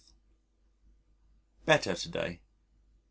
Better to day.